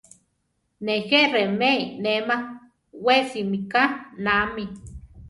Nejé remé inéma, we simíka naámi.